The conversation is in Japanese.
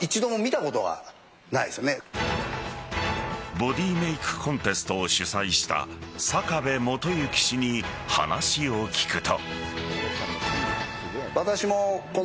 ボディメイクコンテストを主催した堺部元行氏に話を聞くと。